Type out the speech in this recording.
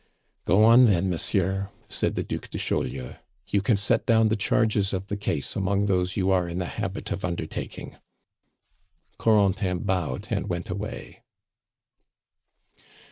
"Go on, then, monsieur," said the Duc de Chaulieu. "You can set down the charges of the case among those you are in the habit of undertaking." Corentin bowed and went away.